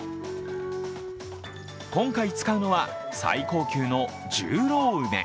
今回使うのは、最高級の十郎梅。